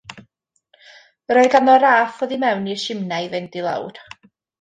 Yr oedd ganddo raff oddi mewn i'r simnai i fynd i lawr.